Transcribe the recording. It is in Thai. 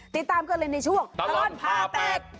ติดตามกันเลยในช่วงตลอดผ่าแตก